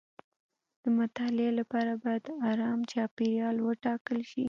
د مطالعې لپاره باید ارام چاپیریال وټاکل شي.